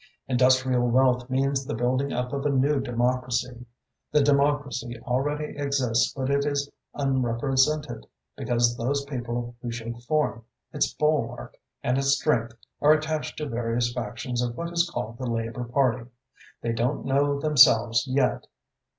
Industrial wealth means the building up of a new democracy. The democracy already exists but it is unrepresented, because those people who should form its bulwark and its strength are attached to various factions of what is called the Labour Party. They don't know themselves yet.